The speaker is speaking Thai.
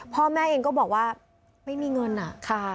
พ่อแม่เองก็บอกว่าไม่มีเงินอ่ะค่ะ